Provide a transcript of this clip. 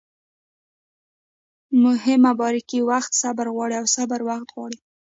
مهمه باریکي: وخت صبر غواړي او صبر وخت غواړي